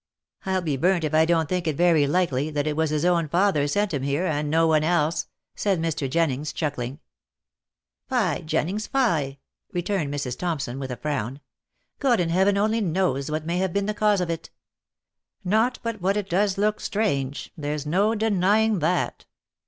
" I'll be burnt if I don't think it very likely that it was his own father sent him here, and no one else," said Mr. Jennings, chuckling. "Fie! Jennings, fie!" returned Mrs. Thompson, with a frown. " God in heaven only knows what may have been the cause of it !— Not but what it does look strange, there's no denying that."